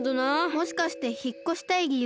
もしかしてひっこしたいりゆうって。